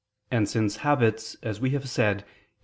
And since habits, as we have said (Q.